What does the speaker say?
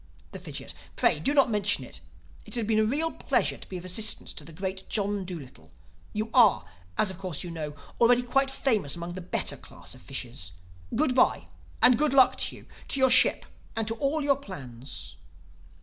The Fidgit: "Pray do not mention it. It has been a real pleasure to be of assistance to the great John Dolittle. You are, as of course you know, already quite famous among the better class of fishes. Goodbye!—and good luck to you, to your ship and to all your plans!"